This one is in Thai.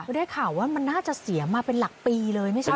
ได้ข่าวว่ามันน่าจะเสียมาเป็นหลักปีเลยไม่ใช่